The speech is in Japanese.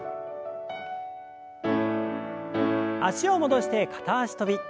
脚を戻して片脚跳び。